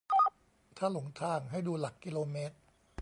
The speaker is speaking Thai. ถ้าหลงทางให้ดูหลักกิโลเมตร